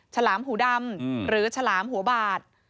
ฉลามหูดำหรือฉลามหัวบาด